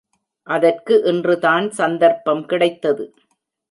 அதற்கு இன்றுதான் சந்தர்ப்பம் கிடைத்தது.